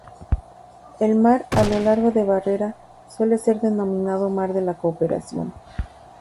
El mar a lo largo de barrera suele ser denominado mar de la Cooperación.